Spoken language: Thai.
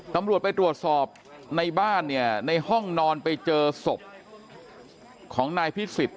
สำรวจไปตรวจสอบในบ้านในห้องนอนไปเจอศพของนายพิษศิษฐ์